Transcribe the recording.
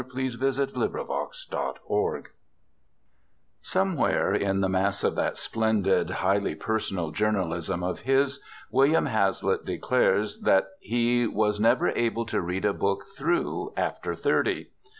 XXII READING AFTER THIRTY Somewhere in the mass of that splendid, highly personal journalism of his, William Hazlitt declares that he was never able to read a book through after thirty.